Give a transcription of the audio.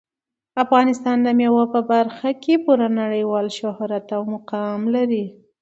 افغانستان د مېوو په برخه کې پوره نړیوال شهرت او مقام لري.